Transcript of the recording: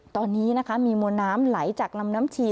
ตอนนี้นะคะมีมวลน้ำไหลจากลำน้ำชี